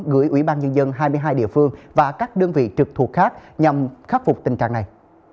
gửi ủy ban nhân dân hai mươi hai địa phương và các đơn vị trực thuộc khác nhằm khắc phục tình trạng này